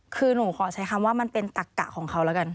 คือหนูขอใช้คำว่ามันเป็นตักกะของเขาแล้วกัน